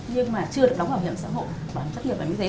nhưng mà chưa được đóng bảo hiểm xã hội bảo hiểm chất nghiệp và mức giấy